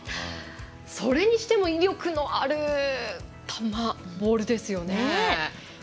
それにしても威力のある球ボールですよね。